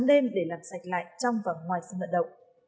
đêm để làm sạch lại trong và ngoài sân vận động